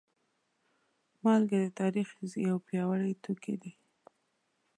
مالګه د تاریخ یو پیاوړی توکی دی.